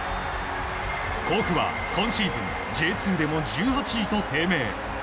甲府は今シーズンＪ２でも１８位と低迷。